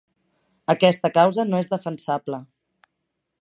Aquesta causa no és defensable.